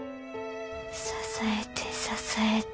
支えて支えて。